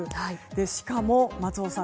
しかも、松尾さん